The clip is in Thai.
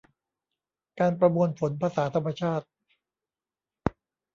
การประมวลผลภาษาธรรมชาติ